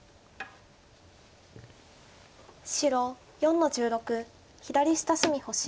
白４の十六左下隅星。